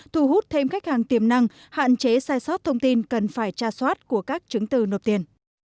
thu hút thêm khách hàng tiềm năng hạn chế sai sót thông tin cần phải tra soát của các chứng từ nộp tiền